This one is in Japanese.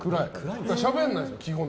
しゃべんないですもん、基本。